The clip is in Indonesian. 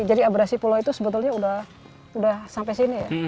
jadi abrasi pulau itu sebetulnya sudah sampai sini ya